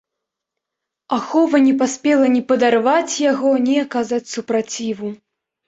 Ахова не паспела ні падарваць яго, ні аказаць супраціву.